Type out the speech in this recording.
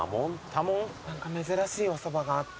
何か珍しいおそばがあって。